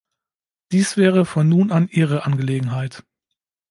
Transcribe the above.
Dies wäre von nun an ihre Angelegenheit.